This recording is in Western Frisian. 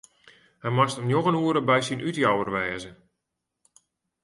Hy moast om njoggen oere by syn útjouwer wêze.